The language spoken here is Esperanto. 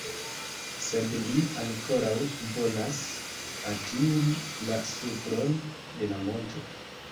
Sed li ankoraŭ volas atingi la supron de la monto.